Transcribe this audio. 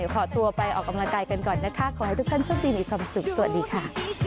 ขอให้ทุกคนช่วยดีในความสุขสวัสดีค่ะ